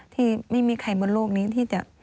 ที่ไม่มีใครบนโลกนี้ที่จะ